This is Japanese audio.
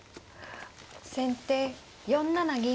先手４七銀。